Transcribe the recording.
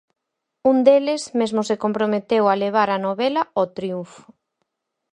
Un deles mesmo se comprometeu a levar a novela ao triunfo.